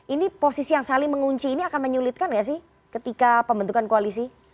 ini posisi yang saling mengunci ini akan menyulitkan nggak sih ketika pembentukan koalisi